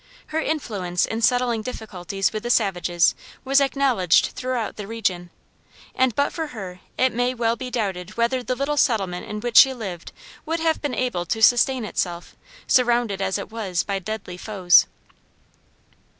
Her influence in settling difficulties with the savages was acknowledged throughout the region, and but for her it may well be doubted whether the little settlement in which she lived would have been able to sustain itself, surrounded as it was by deadly foes.